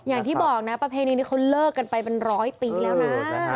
อย่างที่บอกนะประเพณีนี้เขาเลิกกันไปเป็นร้อยปีแล้วนะ